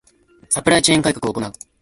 ⅱ サプライチェーン改革を行う